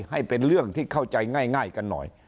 ให้เป็นเรื่องที่เข้าใจง่ายกันหน่อย